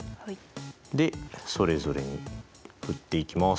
でそれぞれに振っていきます。